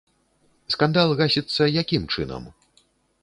Скандал гасіцца якім чынам?